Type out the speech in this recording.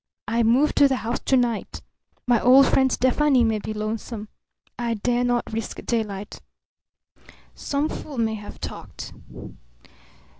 I move to the house to night. My old friend Stefani may be lonesome. I dare not risk daylight. Some fool may have talked.